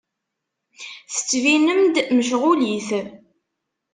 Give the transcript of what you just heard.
Tettbinem-d mecɣulit.